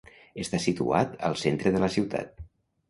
Està situat al centre de la ciutat.